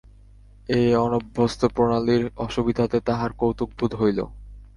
এই অনভ্যস্ত প্রণালীর অসুবিধাতে তাহার কৌতুকবোধ হইল।